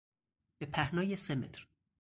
به پهنای سه متر